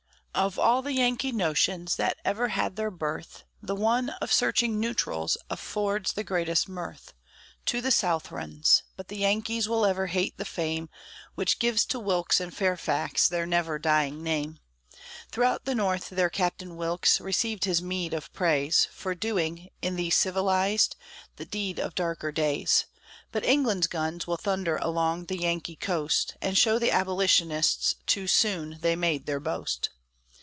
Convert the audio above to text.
Of all the "Yankee notions" that ever had their birth, The one of searching neutrals affords the greatest mirth To the Southrons; but the Yankees will ever hate the fame Which gives to Wilkes and Fairfax their never dying name. Throughout the North their Captain Wilkes received his meed of praise, For doing in these civilized the deeds of darker days; But England's guns will thunder along the Yankee coast, And show the abolitionists too soon they made their boast.